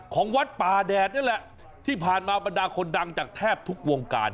ของวัดป่าแดดนั่นแหละที่ผ่านมาบรรดาคนดังจากแทบทุกวงการ